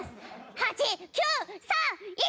８９３１！